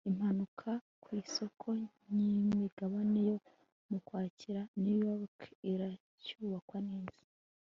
Impanuka ku isoko ryimigabane yo mu Kwakira i New York iracyibukwa neza